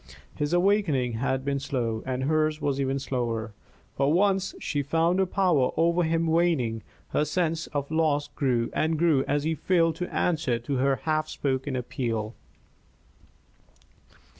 His awakening had been slow, and hers was even slower; but once she found her power over him waning, her sense of loss grew and grew as he failed to answer to her half spoken appeal.